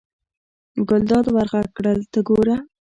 ګلداد ور غږ کړل: ته ګوره.